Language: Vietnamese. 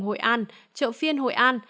hội an chợ phiên hội an